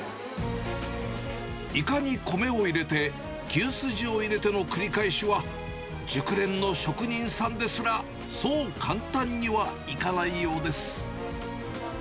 イカに米を入れて、牛すじを入れての繰り返しは、熟練の職人さんですら、そう簡単にはいかないようです。